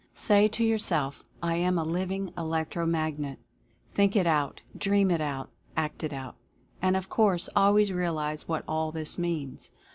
Say to yourself, "I am a Living Electro Magnet;" think it out ; dream it out ; act it out. And, of course, always realize what all this means.